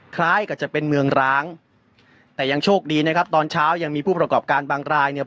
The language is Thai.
คล้ายกับจะเป็นเมืองร้างแต่ยังโชคดีนะครับตอนเช้ายังมีผู้ประกอบการบางรายเนี่ย